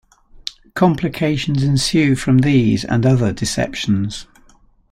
Complications ensue from these and other deceptions.